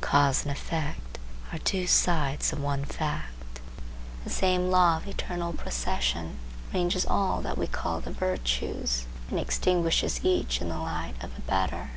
Cause and effect are two sides of one fact. The same law of eternal procession ranges all that we call the virtues, and extinguishes each in the light of a better.